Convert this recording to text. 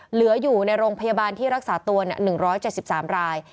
อยู่ในโรงพยาบาลที่รักษาตัว๑๗๓ราย